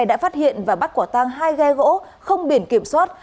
đã phát hiện và bắt quả tang hai ghe gỗ không biển kiểm soát